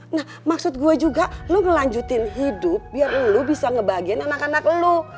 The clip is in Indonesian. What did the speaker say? nah maksud gue juga lo ngelanjutin hidup biar lu bisa ngebagiin anak anak lo